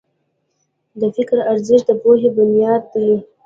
د فکر ارزښت د پوهې بنیاد دی.